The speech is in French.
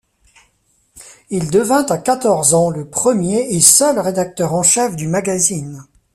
Il devint à quatorze ans le premier et seul rédacteur en chef du magazine.